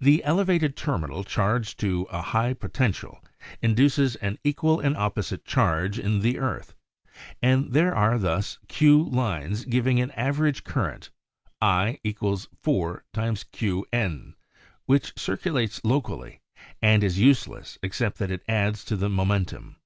The elevated terminal charged to a high potential induces an equal and opposite charge in the earth and there are thus Q lines giving an average current /= 4Qn which circulates locally and is useless except that it adds to the momen tum.